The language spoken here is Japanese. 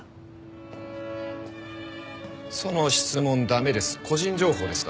その質問駄目です。